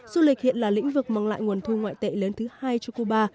du lịch hiện là lĩnh vực mang lại nguồn thu ngoại tệ lớn thứ hai cho cuba